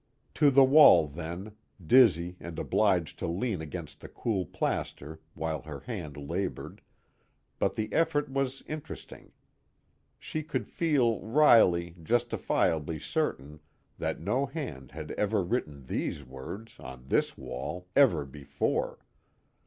To the wall then, dizzy and obliged to lean against the cool plaster while her hand labored, but the effort was interesting; she could feel wryly, justifiably certain that no hand had ever written these words on this wall, ever before.